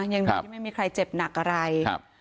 ยังดีที่ไม่มีใครเจ็บหนักอะไรครับ